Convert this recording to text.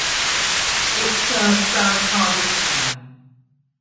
It serves Baripada town.